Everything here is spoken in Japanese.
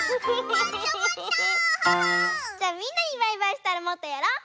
じゃあみんなにバイバイしたらもっとやろう！